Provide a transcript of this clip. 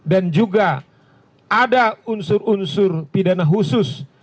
dan juga ada unsur unsur pidana khusus